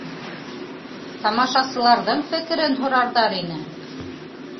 Тамашасыларҙың фекерен һорарҙар ине!